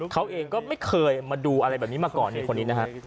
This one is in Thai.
เขาเองก็ไม่เคยมาดูอะไรแบบนี้มาก่อน